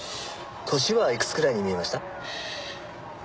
年はいくつくらいに見えました？